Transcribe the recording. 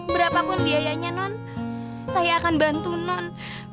berapapun biayanya non saya akan bantu non